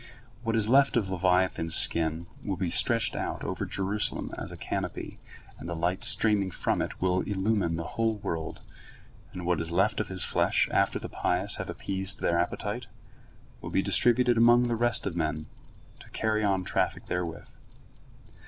What is left of leviathan's skin will be stretched out over Jerusalem as a canopy, and the light streaming from it will illumine the whole world, and what is left of his flesh after the pious have appeased their appetite, will be distributed among the rest of men, to carry on traffic therewith.